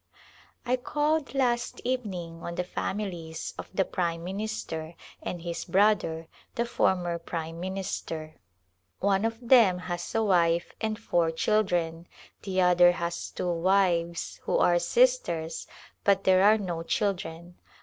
I called last evening on the families of the prime minister and his brother, the former prime minister. One of them has a wife and four children, the other has two wives, who are sisters, but there are no chil dren.